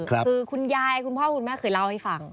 คือคุณยายคุณพ่อคุณแม่เคยเล่าให้ฟัง